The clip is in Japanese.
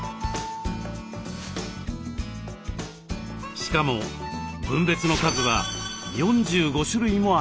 しかも分別の数は４５種類もあります。